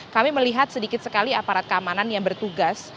kami melihat sedikit sekali aparat keamanan yang bertugas